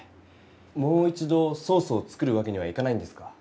もう一度ソースを作るわけにはいかないんですか？